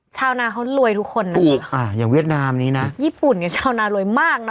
ชาวนาเขารวยทุกคนนะถูกอ่าอย่างเวียดนามนี้นะญี่ปุ่นเนี่ยชาวนารวยมากนะ